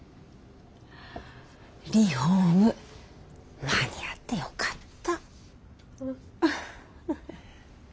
リフォーム間に合ってよかった。